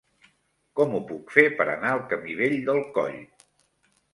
Com ho puc fer per anar al camí Vell del Coll?